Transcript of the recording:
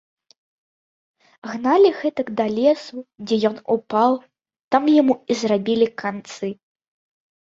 Гналі гэтак да лесу, дзе ён упаў, там яму і зрабілі канцы.